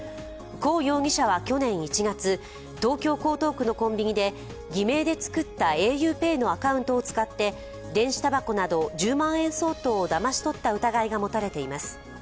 寇容疑者は去年１月、東京・江東区のコンビニで偽名で作ったａｕＰＡＹのアカウントを使って電子たばこなど１０万円相当をだまし取った疑いが持たれています。